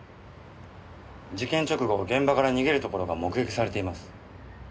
事件直後現場から逃げるところが目撃されています。